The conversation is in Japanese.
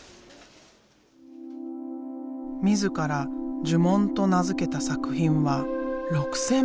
自ら「呪文」と名付けた作品は６，０００枚以上。